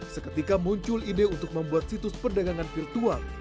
seketika muncul ide untuk membuat situs perdagangan virtual